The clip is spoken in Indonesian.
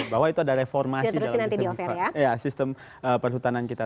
bahwa itu ada reformasi dalam sistem perhutanan kita